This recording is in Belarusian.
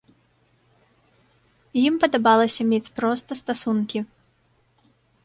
Ім падабалася мець проста стасункі.